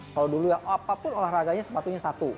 kalau dulu ya apapun olahraganya sepatunya satu